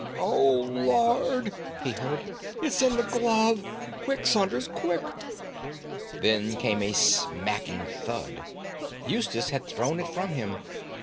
"Oh, Lord," he heard, "it's in the glove! Quick, Saunders, quick!" Then came a smacking thud. Eustace had thrown it from him.